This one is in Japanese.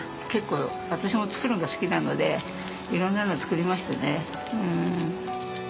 結構私も作るのが好きなのでいろんなの作りましたね。